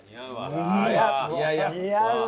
似合うわ。